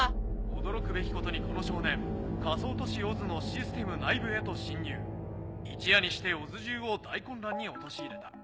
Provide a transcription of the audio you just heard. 驚くべきことにこの少年仮想都市ＯＺのシステム内部へと侵入一夜にしてＯＺ中を大混乱に陥れた。